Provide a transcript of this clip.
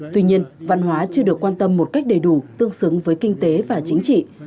tuy nhiên văn hóa chưa được quan tâm một cách đầy đủ tương xứng với kinh tế và chính trị